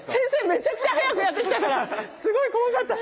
めちゃくちゃ速くやってきたからすごい怖かった！